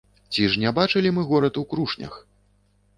Ці ж не бачылі мы горад у крушнях?